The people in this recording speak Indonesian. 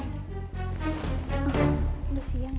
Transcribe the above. oh udah siang ya